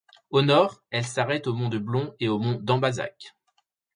Au nord, elle s’arrête aux monts de Blond et aux monts d'Ambazac.